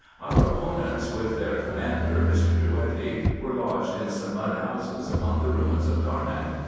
Our opponents, with their commander, Mr. Drouetti, were lodged in some mud houses among the ruins of Carnak.